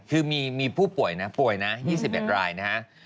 คือมีผู้ป่วยนะป่วยนะ๒๑รายนะฮะ